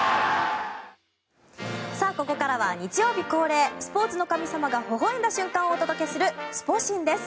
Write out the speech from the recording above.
ここからは日曜日恒例スポーツの神様がほほ笑んだ瞬間をお届けするスポ神です。